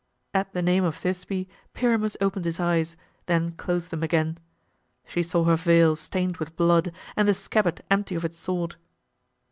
At the name of Thisbe Pyramus opened his eyes, then closed them again. She saw her veil stained with blood and the scabbard empty of its sword.